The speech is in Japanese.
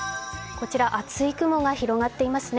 こちら厚い雲が広がっていますね。